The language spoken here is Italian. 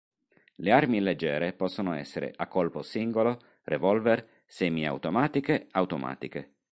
Le armi leggere possono essere a colpo singolo, revolver, semi-automatiche, automatiche.